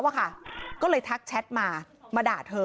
ที่กดว้าวอะค่ะก็เลยทักแชทมามาด่าเธอ